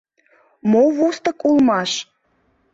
«Мо вустык улмаш?..